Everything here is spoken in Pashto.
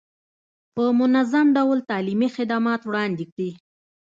په منظم ډول تعلیمي خدمات وړاندې کړي.